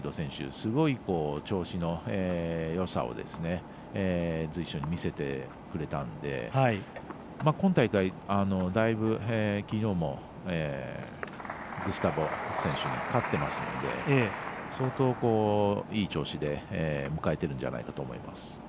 すごい調子のよさを随所に見せてくれたので今大会だいぶ、きのうもグスタボ選手に勝っているので相当、いい調子で迎えているんじゃないかと思います。